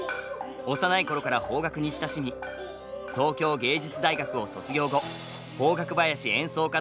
幼い頃から邦楽に親しみ東京藝術大学を卒業後邦楽囃子演奏家として活躍中です！